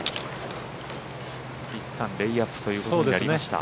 いったんレイアップということになりました。